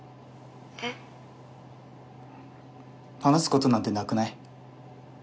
えっ？話すことなんてなくない？